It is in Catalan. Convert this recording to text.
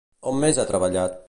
On més ha treballat?